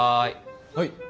はい。